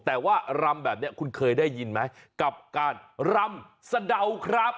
แต่ว่ารำแบบนี้คุณเคยได้ยินไหมกับการรำสะเดาครับ